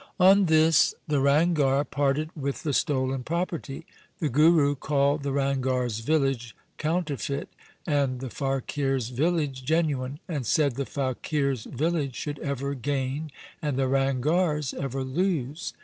On this the Ranghar parted with the stolen property. The Guru called the Ranghars' village counterfeit, and the faqir's village genuine, and said the faqir's village should ever gain and the Ranghaijs' ever lose.